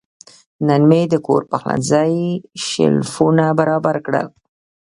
نن مې د کور پخلنځي شیلفونه برابر کړل.